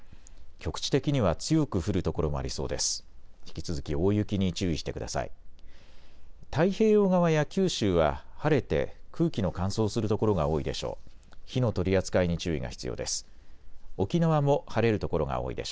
局地的には強く降る所もありそうです。